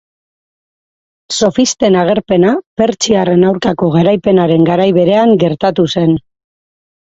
Sofisten agerpena pertsiarren aurkako garaipenaren garai berean gertatu zen.